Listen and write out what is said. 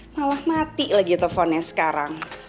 malah mati lagi teleponnya sekarang